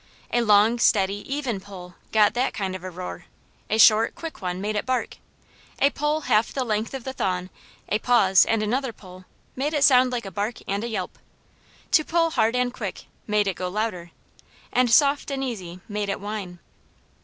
A long, steady, even pull got that kind of a roar. A short, quick one made it bark. A pull half the length of the thong, a pause, and another pull, made it sound like a bark and a yelp. To pull hard and quick, made it go louder, and soft and easy made it whine.